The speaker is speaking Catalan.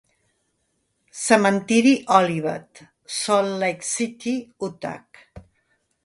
Cementiri Olivet, Salt Lake City, Utah.